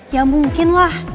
ya mungkin lah